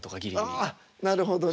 あなるほどね。